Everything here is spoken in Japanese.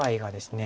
ね